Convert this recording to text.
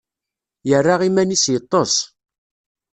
Yerra iman-is yeṭṭes.